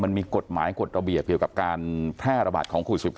มันมีกฎหมายกฎระเบียบเกี่ยวกับการแพร่ระบาดของโควิด๑๙